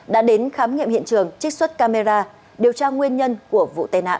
đã đến khám nghiệm hiện trường trích xuất camera điều tra nguyên nhân của vụ tai nạn